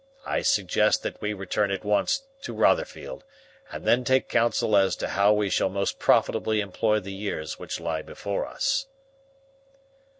I suggest that we return at once to Rotherfield and then take counsel as to how we shall most profitably employ the years which lie before us."